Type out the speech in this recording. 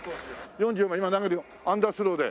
４４番今投げるよアンダースローで。